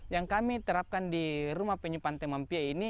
yang kami terapkan di rumah penyu pantai mampia ini